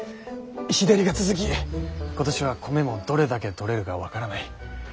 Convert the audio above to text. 日照りが続き今年は米もどれだけ取れるか分からない。